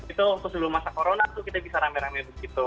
itu waktu sebelum masa corona tuh kita bisa rame rame begitu